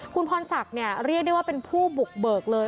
คุณพรศักดิ์เรียกได้ว่าเป็นผู้บุกเบิกเลย